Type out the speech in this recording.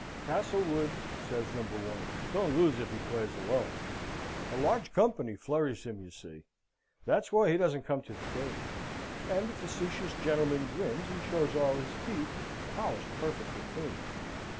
"Castlewood," says No. 1, "don't lose if he plays alone. A large company flurries him, you see that's why he doesn't come to the table." And the facetious gentleman grins, and shows all his teeth, polished perfectly clean.